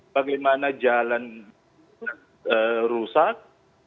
bagaimana jalan rusak